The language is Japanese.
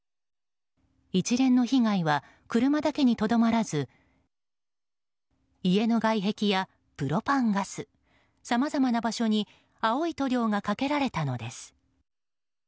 一連の被害は車だけにとどまらず家の外壁やプロパンガスさまざまな場所に青い塗料がかけられたのです。